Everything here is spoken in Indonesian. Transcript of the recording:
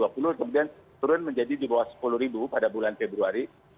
kemudian turun menjadi di bawah sepuluh pada bulan februari